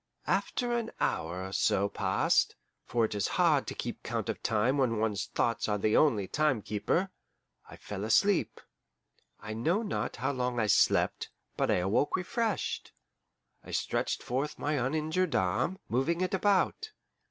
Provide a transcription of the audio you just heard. After an hour or so passed for it is hard to keep count of time when one's thoughts are the only timekeeper I fell asleep. I know not how long I slept, but I awoke refreshed. I stretched forth my uninjured arm, moving it about.